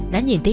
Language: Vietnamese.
đã nhìn thấy